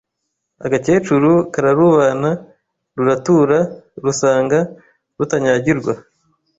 Agakecuru kararubana, ruratura, rusanga rutanyagirwa